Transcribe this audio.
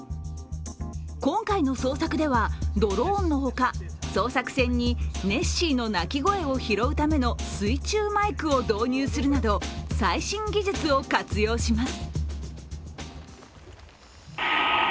今回の捜索では、ドローンのほか捜索船にネッシーの鳴き声を拾うための水中マイクを導入するなど最新技術を活用します。